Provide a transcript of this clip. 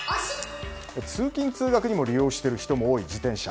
通勤・通学にも利用している人が多い自転車。